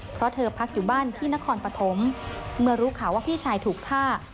เพราะเธอพักอยู่บ้านที่นครปฐมเมื่อรู้ข่าวว่าพี่ชายถูกฆ่า